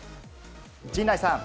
陣内さん。